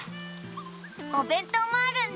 おべんとうもあるんだ。